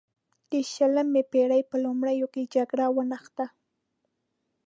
د شلمې پیړۍ په لومړیو کې جګړه ونښته.